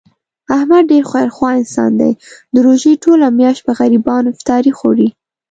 احمد ډېر خیر خوا انسان دی، د روژې ټوله میاشت په غریبانو افطاري خوري.